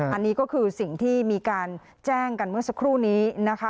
อันนี้ก็คือสิ่งที่มีการแจ้งกันเมื่อสักครู่นี้นะคะ